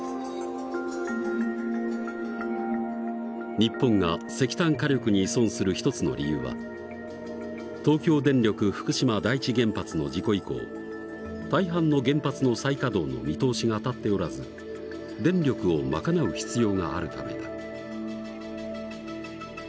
日本が石炭火力に依存する一つの理由は東京電力福島第一原発の事故以降大半の原発の再稼働の見通しが立っておらず電力を賄う必要があるためだ。